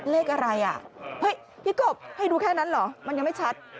เลขอะไรอ่ะเฮ้ยพี่กบให้ดูแค่นั้นเหรอมันยังไม่ชัด